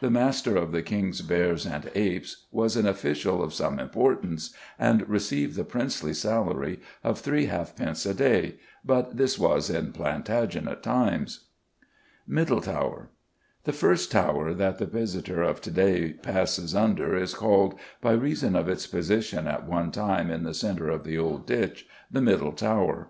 The "Master of the King's bears and apes" was an official of some importance, and received the princely salary of three halfpence a day; but this was in Plantagenet times. Middle Tower. The first "Tower" that the visitor of to day passes under is called, by reason of its position at one time in the centre of the old ditch, the Middle Tower.